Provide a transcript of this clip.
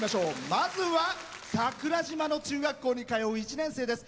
まずは桜島の中学校に通う１年生です。